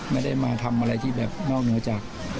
ไม่ได้มาทำอะไรที่แบบนอกเหนือจาก